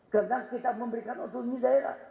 karena kita memberikan untung di daerah